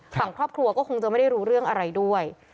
ฝั่งครอบครัวก็คงจะไม่ได้รู้เรื่องอะไรด้วย